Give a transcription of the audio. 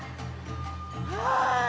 はい。